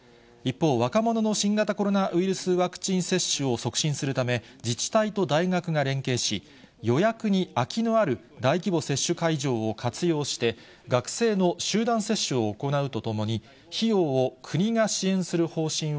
一方、若者の新型コロナウイルスワクチン接種を促進するため、自治体と大学が連携し、予約に空きのある大規模接種会場を活用して、学生の集団接種を行以上、